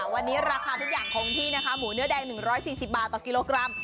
วันนี้ราคาทุกอย่างคงที่นะคะหมูเนื้อแดง๑๔๐บาทต่อกิโลกรัม